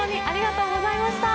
ありがとうございます。